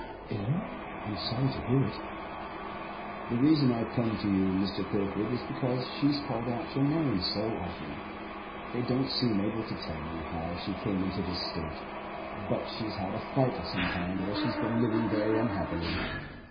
'Ill? I'm sorry to hear it.' 'The reason I've come to you, Mr. Kirkwood, is because she's called out your name so often. They don't seem able to tell me how she came into this state, but she's had a fright of some kind, or she's been living very unhappily.